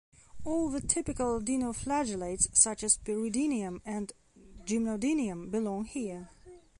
All the "typical" dinoflagellates, such as "Peridinium" and "Gymnodinium", belong here.